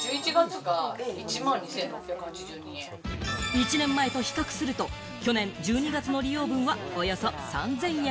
１年前と比較すると、去年１２月の利用分はおよそ３０００円。